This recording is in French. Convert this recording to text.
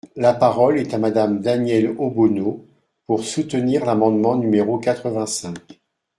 La parole est à Madame Danièle Obono, pour soutenir l’amendement numéro quatre-vingt-cinq.